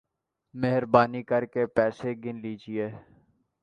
مہربانی کر کے پیسے گن لیجئے